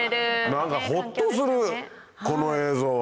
何かホッとするこの映像は。